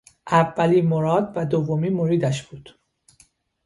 اولی مراد و دومی مریدش بود